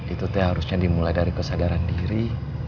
itu harusnya dimulai dari kesadaran diri